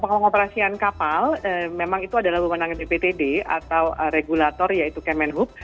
pengoperasian kapal memang itu adalah kewenangan bptd atau regulator yaitu kemenhub